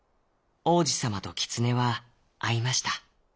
王子さまとキツネはあいました。